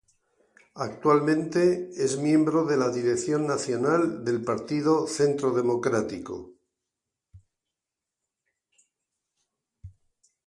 Actualmente es miembro de la Dirección Nacional del partido Centro Democrático.